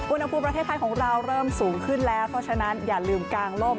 อุณหภูมิประเทศไทยของเราเริ่มสูงขึ้นแล้วเพราะฉะนั้นอย่าลืมกางล่ม